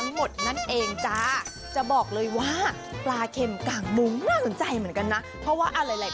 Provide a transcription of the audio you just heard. ไห่แพะแล้วก็ไก่กินด้วย